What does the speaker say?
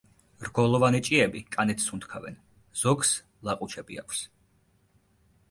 რგოლოვანი ჭიები კანით სუნთქავენ, ზოგს ლაყუჩები აქვს.